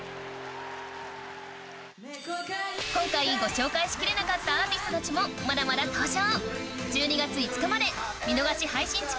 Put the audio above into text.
今回ご紹介しきれなかったアーティストたちもまだまだ登場